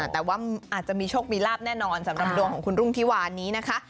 แต่ว่าอาจจะมีโชคมีลาบแน่นอนสำหรับดวงของคุณรุ่งที่วานนี้นะคะ